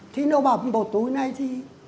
thì nó bỏ túi này thì